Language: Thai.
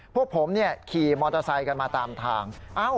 พวกผมขี่มอเตอร์ไซค์กันมาตามทาง